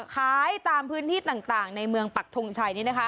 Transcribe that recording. ขายตามพื้นที่ต่างในเมืองปักทงชัย